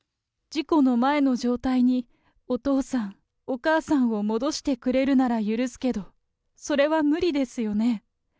事故の前の状態に、お父さん、お母さんを戻してくれるなら許すけど、それは無理ですよね。